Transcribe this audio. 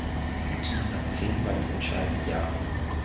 Neunzehnhundertzehn war das entscheidende Jahr.